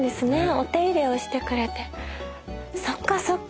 お手入れをしてくれてそっかそっか。